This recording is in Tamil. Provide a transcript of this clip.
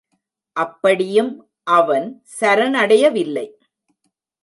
அப்படியும் அவன் சரணடையவில்லை.